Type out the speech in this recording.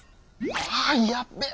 あやっべえ！